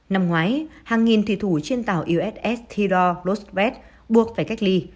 năm ngoái hàng nghìn thủy thủ trên tàu uss tidor losbeth buộc phải cách ly